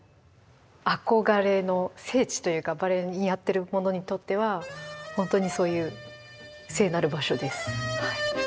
憧れの聖地というかバレエやってる者にとっては本当にそういう聖なる場所です。